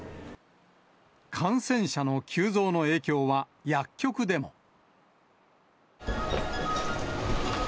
感染者の急増の影響は、薬局でも。